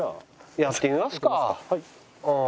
やってみますかうん。